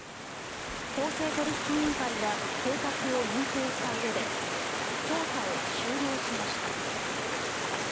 公正取引委員会は計画を認定したうえで調査を終了しました。